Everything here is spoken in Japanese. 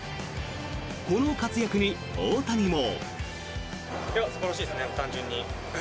この活躍に、大谷も。